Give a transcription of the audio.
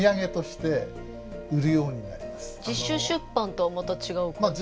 自主出版とはまた違う感じなんですか？